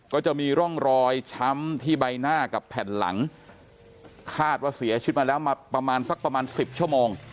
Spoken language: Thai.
ก็จะมีร่องรอยช้ำที่ใบหน้ากับแผ่นหลังคาดว่าเสียชีวิตมาแล้วมาประมาณสักประมาณสิบชั่วโมง